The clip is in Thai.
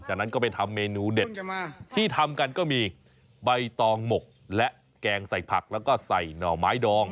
จากนั้นก็ไปทำเมนูเด็ดที่ทำกันก็มีใบตองหมกและแกงใส่ผักแล้วก็ใส่หน่อไม้ดอง